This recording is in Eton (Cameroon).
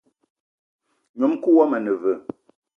Ngnom-kou woma ane veu?